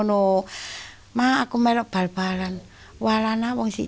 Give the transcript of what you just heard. saya melukis bal balan bal balan plastik